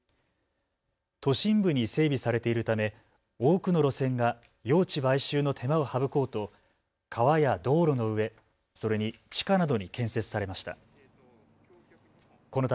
都心部に整備されているため多くの路線が用地買収の手間を省こうと川や道路の上、それに地下などに建設されました。